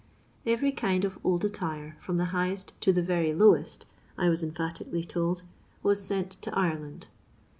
Every kind of old attire, firom the highest to the very lotoett, I was emphatically told, was sent to IreUnd.